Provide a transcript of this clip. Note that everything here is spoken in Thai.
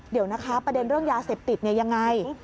เดี๋ยวนะคะประเด็นเรื่องยาเสพติดเนี่ยยังไง